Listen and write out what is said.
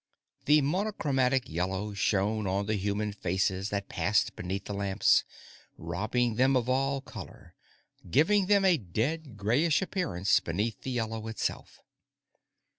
The monochromatic yellow shone on the human faces that passed beneath the lamps, robbing them of all color, giving them a dead, grayish appearance beneath the yellow itself.